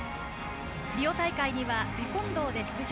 リオ大会にはテコンドーで出場。